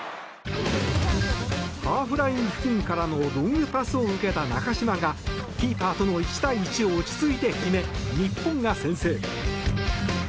ハーフライン付近からのロングパスを受けた中嶋がキーパーとの１対１を落ち着いて決め、日本が先制。